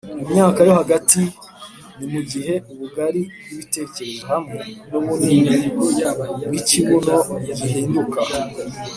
imyaka yo hagati ni mugihe ubugari bwibitekerezo hamwe nubunini bwikibuno gihinduka